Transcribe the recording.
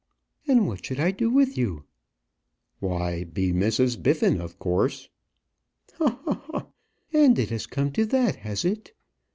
"And what should I do with you?" "Why, be Mrs. Biffin, of course." "Ha! ha! ha! And it has come to that, has it?